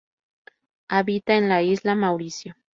Habita en la isla Mauricio.